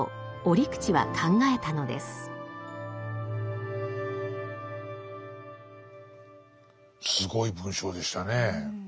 すごい文章でしたねえ。